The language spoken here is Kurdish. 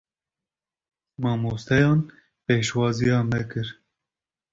Mamosteyan pêşwaziya me kir.